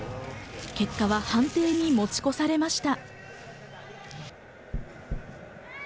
結果は判定に持ち越されました。